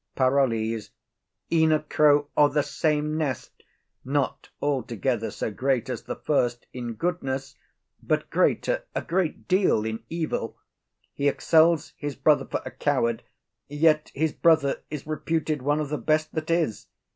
PAROLLES. E'en a crow o' the same nest; not altogether so great as the first in goodness, but greater a great deal in evil. He excels his brother for a coward, yet his brother is reputed one of the best that is.